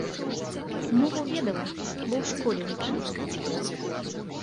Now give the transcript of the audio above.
Мову ведала, бо ў школе вучыла.